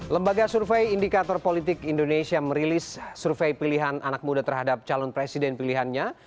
lembaga survei indikator politik indonesia merilis survei pilihan anak muda terhadap calon presiden pilihannya